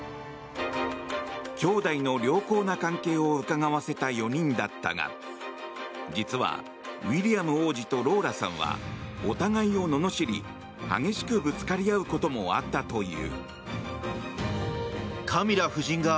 きょうだいの良好な関係をうかがわせた４人だったが実はウィリアム王子とローラさんは、お互いをののしり激しくぶつかり合うこともあったという。